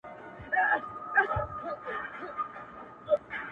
د هغه ږغ د هر چا زړه خپلوي,